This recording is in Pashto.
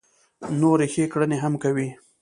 نورې ښې کړنې هم کوي.